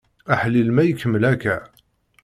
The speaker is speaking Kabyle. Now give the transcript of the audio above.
Aḥlil ma ikemmel akka!